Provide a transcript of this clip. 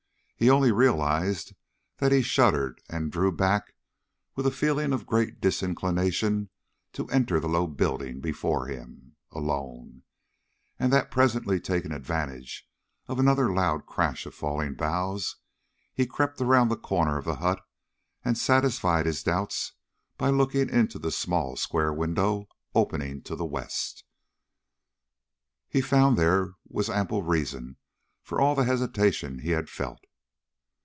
He only realized that he shuddered and drew back, with a feeling of great disinclination to enter the low building before him, alone; and that presently taking advantage of another loud crash of falling boughs, he crept around the corner of the hut, and satisfied his doubts by looking into the small, square window opening to the west. He found there was ample reason for all the hesitation he had felt.